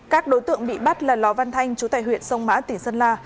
các đối tượng bị bắt là ló văn thanh trú tại huyện sông mã tỉnh sơn la